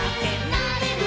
「なれる」